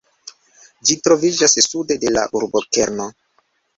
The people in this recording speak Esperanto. Ĝi troviĝas sude de la urbokerno.